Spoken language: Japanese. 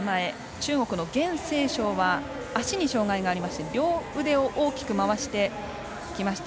中国の阮靖淞は足に障がいがありまして両腕を大きく回してきました。